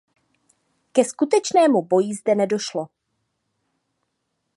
Ke skutečnému boji zde nedošlo.